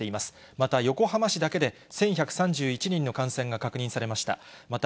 また横浜市だけで、１１３１人の感染が確認されました。